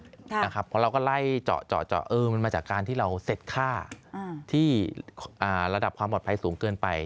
เพราะเราก็ไล่เจาะมันมาจากการที่เราเสร็จค่าที่ระดับความปลอดภัยสูงเกินไป